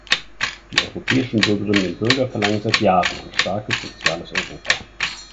Die europäischen Bürgerinnen und Bürger verlangen seit Jahren ein starkes soziales Europa.